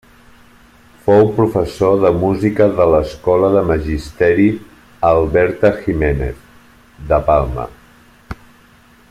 Fou professor de música de l'Escola de Magisteri Alberta Giménez, de Palma.